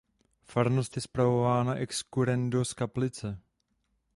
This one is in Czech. Farnost je spravována ex currendo z Kaplice.